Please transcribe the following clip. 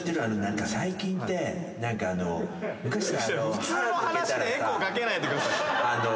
普通の話でエコーかけないでください。